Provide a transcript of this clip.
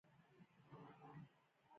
ایا زه باید شین چای وڅښم؟